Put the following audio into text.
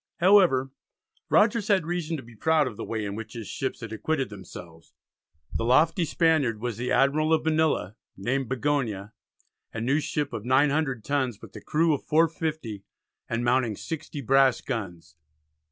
However, Rogers had reason to be proud of the way in which his ships had acquitted themselves. The lofty Spaniard was the Admiral of Manila, named Bigonia, a new ship of 900 tons, with a crew of 450 and mounting 60 brass guns.